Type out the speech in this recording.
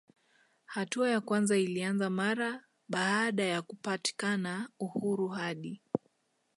Hatua ya kwanza ilianza mara baada ya kupatikana uhuru hadi